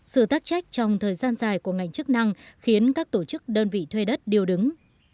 sự tác trách trong thời gian dài của ngành chức năng khiến các tổ chức đơn vị thuê đất điều đứng